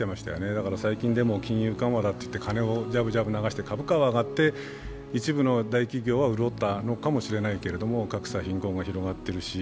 だから最近でも金融緩和だって言って金をジャブジャブ流して、株価は上がって一部の大企業は潤ったのかも知れませんが格差は広がっているし